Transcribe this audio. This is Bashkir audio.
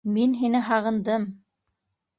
Мин һине һағындым